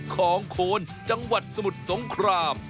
ของโคนจังหวัดสมุทรสงคราม